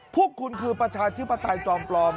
พวกคุณคือประชาธิปไตยจอมปลอม